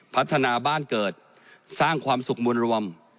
พัฒนาบ้านเกิดสร้างความสุขมวลรวม